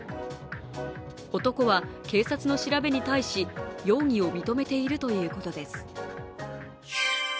男は警察の調べに対し、容疑を認めているということです。